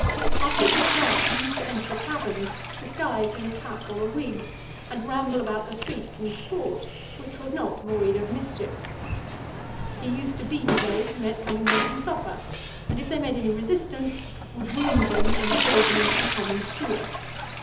After it was dark, he used to enter the taverns disguised in a cap or a wig, and ramble about the streets in sport, which was not void of mischief. He used to beat those he met coming home from supper; and, if they made any resistance, would wound them, and throw them into the common sewer.